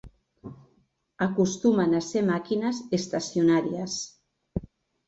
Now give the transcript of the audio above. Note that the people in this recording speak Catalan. Acostumen a ser màquines estacionàries.